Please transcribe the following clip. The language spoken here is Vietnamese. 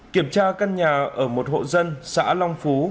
kiểm tra căn nhà ở một hộ dân xã long phú